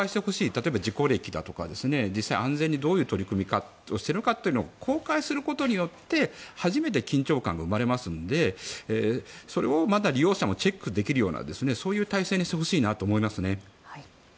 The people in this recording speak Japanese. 例えば事故歴だとか実際に安全にどういう取り組み方をしているのかだとか公開することによって初めて緊張感が生まれますのでそれをまた利用者もチェックできるような体制にしてほしいなと思います。